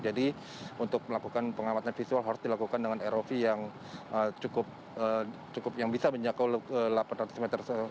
jadi untuk melakukan pengawasan visual harus dilakukan dengan rov yang cukup yang bisa menjaga delapan ratus meter